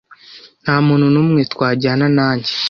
Nta muntu numwe twajyana nanjye.